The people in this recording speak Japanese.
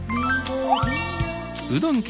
うどん県